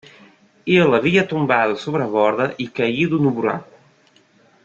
Ele havia tombado sobre a borda e caído no buraco.